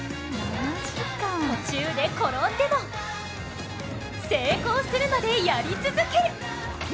途中で転んでも、成功するまでやり続ける。